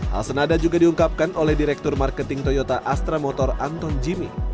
hal senada juga diungkapkan oleh direktur marketing toyota astra motor anton jimmy